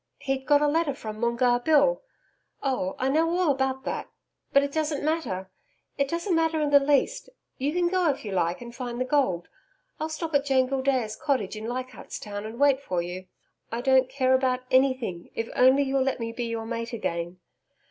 He'd got a letter from Moongarr Bill Oh, I know all about that. But it doesn't matter it doesn't matter in the least. You can go if you like and find the gold I'll stop at Joan Gildea's cottage in Leichardt's Town and wait for you I don't care about ANYTHING if you'll only let me be your Mate again.